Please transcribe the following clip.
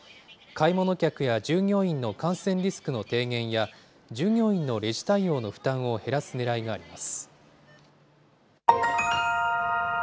買い物客や従業員の感染リスクの低減や、従業員のレジ対応の負担を減らすねらいがあります。